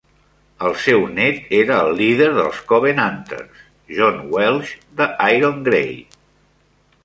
El seu nét era el líder dels Covenanters, John Welsh de Irongray.